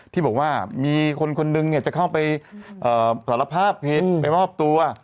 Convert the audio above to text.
ที่บอกว่ามีคนคนหนึ่งเนี่ยจะเข้าไปสารภาพไปบ้อบตัว